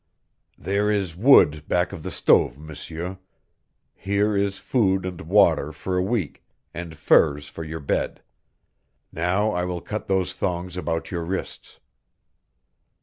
"There is wood back of the stove, M'seur. Here is food and water for a week, and furs for your bed. Now I will cut those thongs about your wrists."